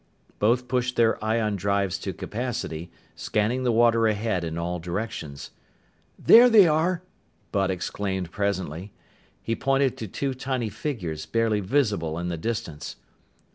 Both pushed their ion drives to capacity, scanning the water ahead in all directions. "There they are!" Bud exclaimed presently. He pointed to two tiny figures, barely visible in the distance.